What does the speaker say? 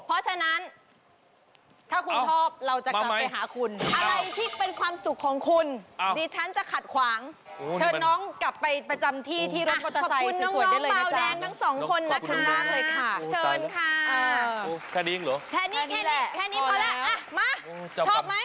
เพราะฉะนั้นถ้าคุณชอบเราจะกลับไปหาคุณอะไรที่เป็นความ